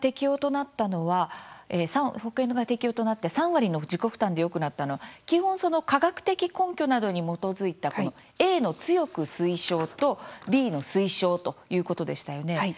今回、保険が適用となって３割の自己負担でよくなったのは基本、科学的根拠などに基づいたＡの強く推奨と、Ｂの推奨ということでしたよね。